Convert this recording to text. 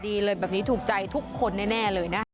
ดีเลยแบบนี้ถูกใจทุกคนแน่เลยนะ